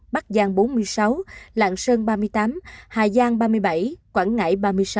bắc giang bốn mươi sáu lạng sơn ba mươi tám hà giang ba mươi bảy quảng ngãi ba mươi sáu